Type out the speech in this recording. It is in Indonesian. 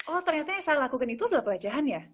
oh ternyata yang saya lakukan itu adalah pelecehan ya